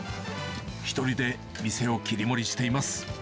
１人で店を切り盛りしています。